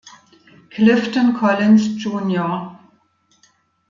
Clifton Collins Jr.